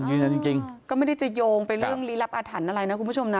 อืมเก็ไม่ได้ยงไปเรื่องหลีกรับอัดฒรรณอะไรนะครับคุณผู้ชมนะ